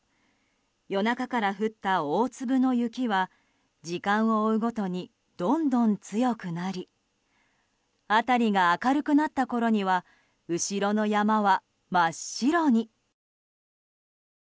夜中から降った大粒の雪は時間を追うごとにどんどん強くなり辺りが明るくなったころには後ろの山は真っ白に。